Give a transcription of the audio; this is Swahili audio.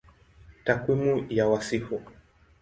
Takwimu ya Wasifu